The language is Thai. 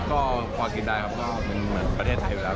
ก็พอกินได้ครับก็มันเหมือนประเทศไทยอยู่แล้ว